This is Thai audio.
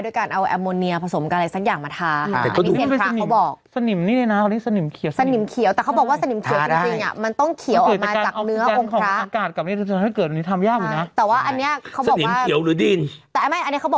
เพราะว่าเอาแอร์โมเนียไปผสมกับอะไรซะอย่างไรเอามาทาให้มันดูเก่า